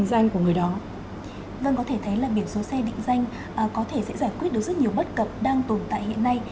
vâng có thể thấy là biển số xe định danh có thể sẽ giải quyết được rất nhiều bất cập đang tồn tại hiện nay